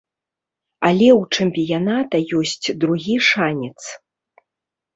Але ў чэмпіяната ёсць другі шанец.